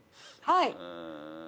はい。